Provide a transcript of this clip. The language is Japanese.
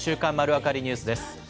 週刊まるわかりニュースです。